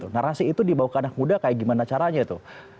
narasi itu dibawa ke anak muda kayak gimana caranya tuh